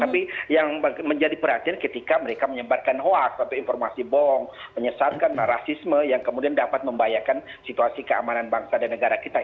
tapi yang menjadi perhatian ketika mereka menyebarkan hoax atau informasi bohong menyesatkan rasisme yang kemudian dapat membahayakan situasi keamanan bangsa dan negara kita